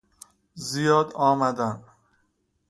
زیاد آمدن